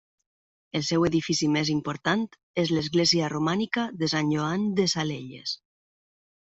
El seu edifici més important és l'església romànica de Sant Joan de Salelles.